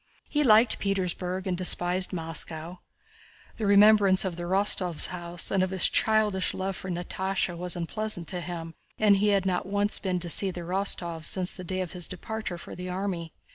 He liked Petersburg and despised Moscow. The remembrance of the Rostóvs' house and of his childish love for Natásha was unpleasant to him and he had not once been to see the Rostóvs since the day of his departure for the army.